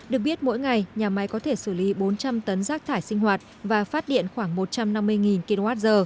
được biết mỗi ngày nhà máy có thể xử lý bốn trăm linh tấn rác thải sinh hoạt và phát điện khoảng một trăm năm mươi kwh